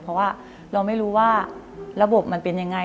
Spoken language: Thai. เพราะว่าเราไม่รู้ว่าระบบมันเป็นยังไง